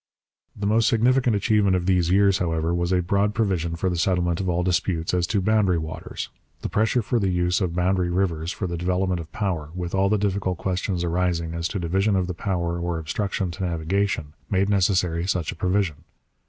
The most significant achievement of these years, however, was a broad provision for the settlement of all disputes as to boundary waters. The pressure for the use of boundary rivers for the development of power, with all the difficult questions arising as to division of the power or obstruction to navigation, made necessary such a provision.